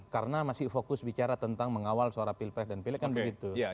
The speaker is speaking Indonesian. karena masih fokus bicara tentang mengawal suara pilpres dan pilik kan begitu